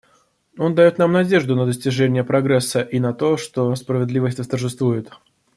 Он дает нам надежду на достижение прогресса и на то, что справедливость восторжествует.